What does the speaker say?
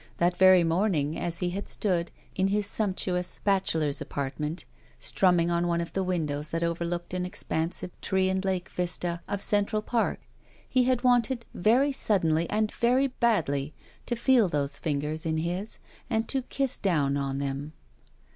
That very morning as he had stood, in his sumptuous bachelor's apartment, strumming on one of the windows that overlooked an expansive tree and lake vista of Central Park, he had wanted very suddenly and very^badly to feel those fingers in his and to kiss down on them.